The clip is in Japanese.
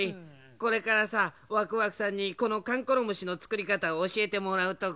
これからさワクワクさんにこのかんころむしのつくりかたをおしえてもらうところなんだ。